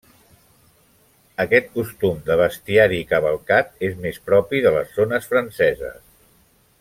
Aquest costum de bestiari cavalcat és més propi de les zones franceses.